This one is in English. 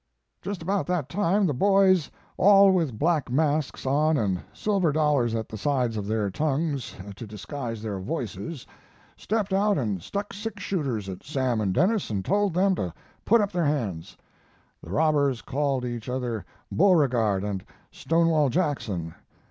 "Just about that time the boys, all with black masks on and silver dollars at the sides of their tongues to disguise their voices, stepped out and stuck six shooters at Sam and Denis and told them to put up their hands. The robbers called each other 'Beauregard' and 'Stonewall Jackson.'